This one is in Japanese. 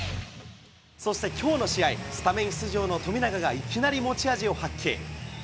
そしてきょうの試合、スタメン出場の富永がいきなり持ち味を発揮。